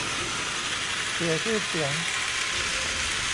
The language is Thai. เสียชื่อเสียง